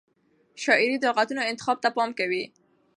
شاعر د لغتونو انتخاب ته پام کوي.